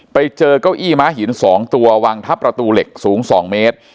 ไปเจอเก้าอี้ม้าหิน๒ตัววางทับประตูเหล็กสูง๒เมตร